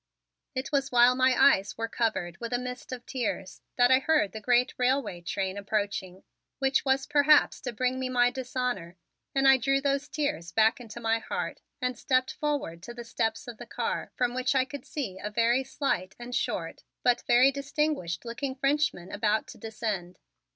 It was while my eyes were covered with a mist of tears that I heard the great railway train approaching, which was perhaps to bring me my dishonor, and I drew those tears back into my heart and stepped forward to the steps of the car from which I could see a very slight and short but very distinguished looking Frenchman about to descend.